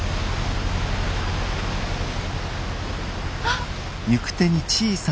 あっ！